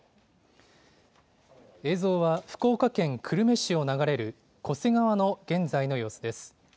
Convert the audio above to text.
映像は福岡県久留米市を流れる巨瀬川の現在の様子です。